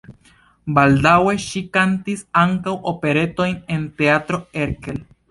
Baldaŭe ŝi kantis ankaŭ operetojn en Teatro Erkel.